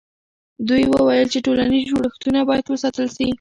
دوی وویل چې ټولنیز جوړښتونه باید وساتل سي.